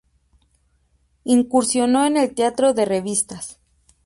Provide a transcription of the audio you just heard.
Incursionó en el teatro de revistas.